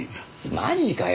マジかよ